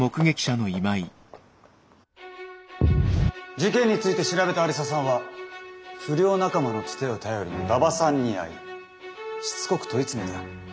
事件について調べた愛理沙さんは不良仲間のツテを頼りに馬場さんに会いしつこく問い詰めた。